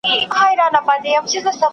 تاسو باید د نوي سافټویر کارول زده کړئ.